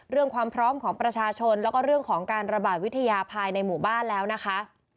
ความพร้อมของประชาชนแล้วก็เรื่องของการระบาดวิทยาภายในหมู่บ้านแล้วนะคะ